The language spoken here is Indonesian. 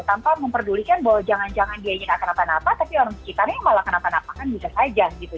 tanpa memperdulikan bahwa jangan jangan dia ini tidak kenapa napa tapi orang sekitarnya yang malah kenapa napa kan juga saja gitu